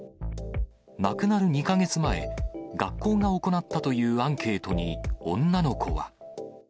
亡くなる２か月前、学校が行ったというアンケートに、女の子は。